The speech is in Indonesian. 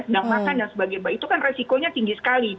sedang makan dan sebagainya itu kan resikonya tinggi sekali